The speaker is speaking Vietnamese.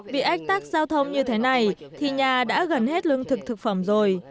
vì ách tác giao thông như thế này thì nhà đã gần hết lương thực thực phẩm rồi